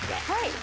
はい。